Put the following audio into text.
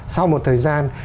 sau một thời gian